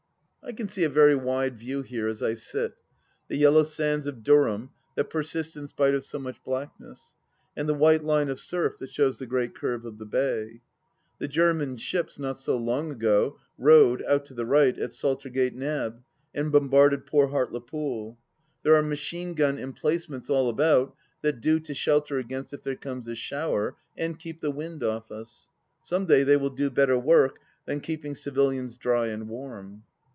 I can see a very wide view here as I sit — ^the yellow sands of Durham that persist in spite of so much blackness, and the white line of surf that shows the great curve of the bay. The German ships, not so long ago, rode, out to the right, at Saltergate Nab and bombarded poor Hart le Pool. There are machine gun emplacements all about, that do to shelter against if there comes a shower, and keep the wind off us. Some day they will do better work than keeping civilians dry and warm.